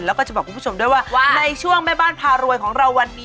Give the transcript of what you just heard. แล้วก็จะบอกคุณผู้ชมด้วยว่าในช่วงแม่บ้านพารวยของเราวันนี้